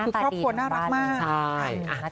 คือครอบครัวน่ารักมาก